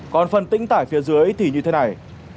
còn phân tĩnh tải phía dưới thì như thế này